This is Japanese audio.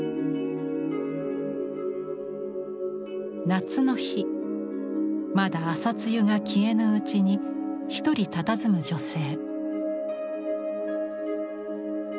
夏の日まだ朝露が消えぬうちに一人たたずむ女性。